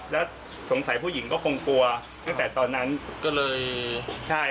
แล้วสงสัยผู้หญิงก็คงกลัวตั้งแต่ตอนนั้นก็เลยใช่